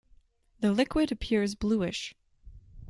The liquid appears bluish.